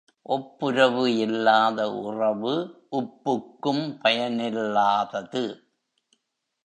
ஒப்புரவு இல்லாத உறவு, உப்புக்கும் பயனில்லாதது.